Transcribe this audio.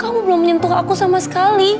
kamu belum menyentuh aku sama sekali